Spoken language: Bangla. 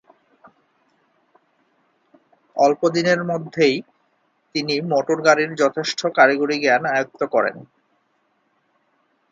অল্প দিনের মধ্যেই তিনি মোটর-গাড়ীর যথেষ্ট কারিগরি জ্ঞান আয়ত্ত করেন।